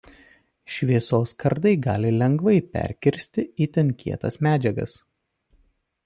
Šviesos kardai gali lengvai perkirsti itin kietas medžiagas.